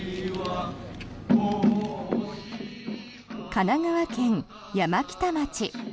神奈川県山北町。